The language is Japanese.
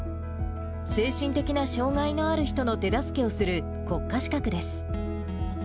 精神的な障がいのある人の手助けをする国家資格です。